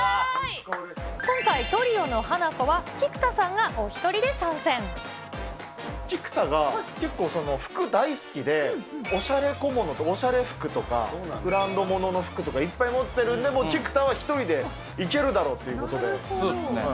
今回、トリオのハナコは、菊田が結構、服大好きで、おしゃれ小物とかおしゃれ服とか、ブランド物の服とかいっぱい持ってるんで、菊田は１人でいけるだろうということで。